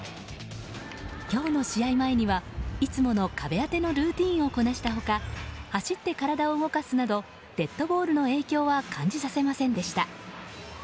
今日の試合前には、いつもの壁当てのルーティンをこなした他走って体を動かすなどデッドボールの影響は感じさせませんでした。